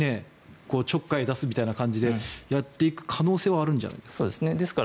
ちょっかいを出すみたいな感じでやっていく可能性はあるんじゃないですか。